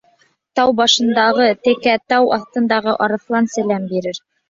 Тау башындағы тәкәгә тау аҫтындағы арыҫлан сәләм бирер.